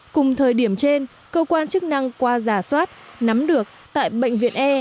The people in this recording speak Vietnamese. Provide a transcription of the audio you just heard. cùng thời điểm trên cơ quan chức năng qua giả soát nắm được tại bệnh viện e